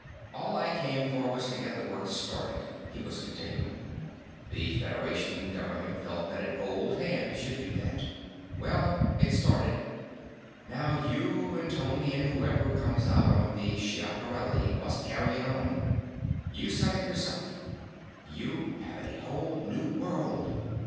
"All I came for was to get the work started," he was continuing. "The Federation Government felt that an old hand should do that. Well, it's started, now; you and Tony and whoever come out on the Schiaparelli must carry it on. You said it, yourself; you have a whole new world.